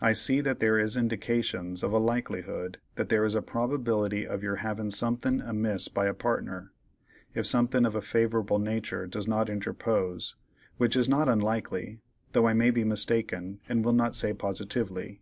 I see that there is indications of a likelihood that there is a probability of your having somethin' amiss by a partner, if somethin' of a favorable natur' does not interpose, which is not unlikely, though I may be mistaken and will not say positively.